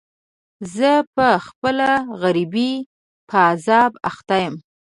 زه په خپله د غريبۍ په عذاب اخته يم.